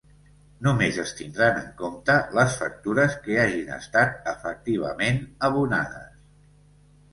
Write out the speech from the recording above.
Només es tindran en compte les factures que hagin estat efectivament abonades.